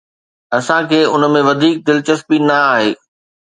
اسان کي ان ۾ وڌيڪ دلچسپي نه آهي.